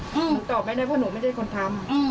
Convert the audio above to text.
หนูตอบไม่ได้ว่าหนูไม่ได้คนทำ